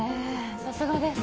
さすがです。